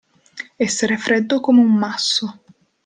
Essere freddo come un masso.